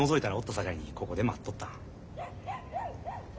さかいにここで待っとった。